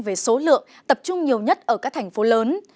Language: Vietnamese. về số lượng tập trung nhiều nhất ở các thành phố lớn